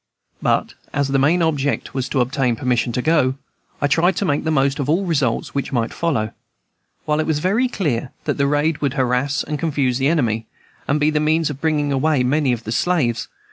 But as my main object was to obtain permission to go, I tried to make the most of all results which might follow, while it was very clear that the raid would harass and confuse the enemy, and be the means of bringing away many of the slaves.